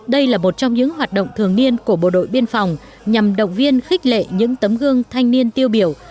đây là một trong những hoạt động thường niên của bộ đội biên phòng nhằm động viên khích lệ những tấm gương thanh niên tiêu biểu